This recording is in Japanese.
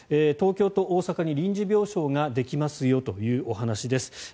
東京と大阪に臨時病床ができますよというお話です。